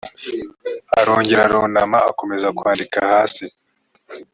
arongera arunama akomeza kwandika hasi